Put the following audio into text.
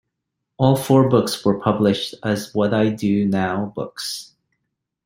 All four books were published as "What-Do-I-Do-Now Books".